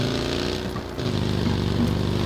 একটা সন্দেহ মেটাতে হবে।